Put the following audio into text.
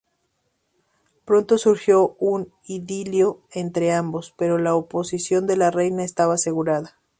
Pronto surgió un idilio entre ambos, pero la oposición de la reina estaba asegurada.